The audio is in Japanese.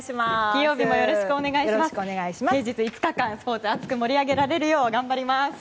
平日５日間スポーツ熱く盛り上げられるように頑張ります。